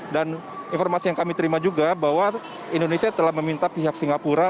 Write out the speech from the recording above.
dan informasi yang kami terima juga bahwa indonesia telah meminta pihak singapura